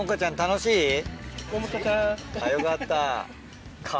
よかった。